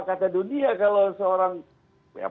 kata dunia kalau seorang